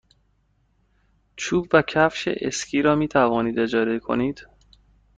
چوب و کفش اسکی را می توانید اجاره کنید.